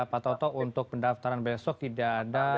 pak toto untuk pendaftaran besok tidak ada